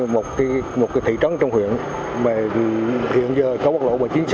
một thị trấn trong huyện hiện giờ có quốc lộ một mươi chín c